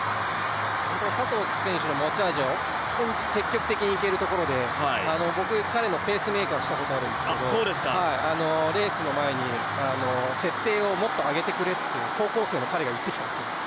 佐藤選手の持ち味は本当に積極的にいけるところで僕、彼のペースメーカーをしたことがあるんですけどレースの前に設定をもっと上げてくれって高校生の彼が言ってきたんですよ。